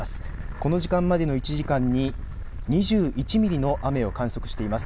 この時間までの１時間に２１ミリの雨を観測しています。